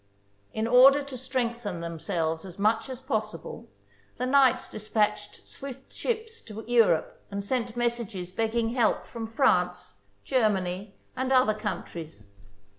In order to strengthen themselves as much as pos sible, the knights despatched swift ships to Europe and sent messages begging help from France, Ger many, and other countries.